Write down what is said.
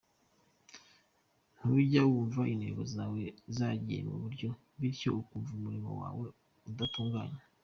Ntujya wumva Intego zawe zagiye mu buryo byityo ukumva umurimo wawe udatunganye.